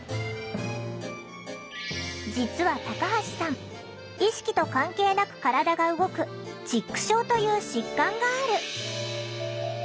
実はタカハシさん意識と関係なく体が動く「チック症」という疾患がある。